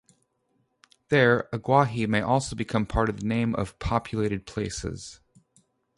There Aguaje may also become part of the name of populated places.